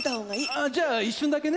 ああじゃあ一瞬だけね。